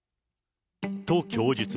と、供述。